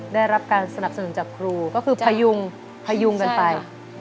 ได้รับการสนับสนุนจากครูก็คือพยุงพยุงกันไป